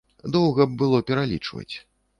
Доўга б было пералічваць.